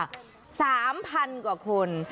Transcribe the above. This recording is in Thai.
๓๐๐๐กว่าคน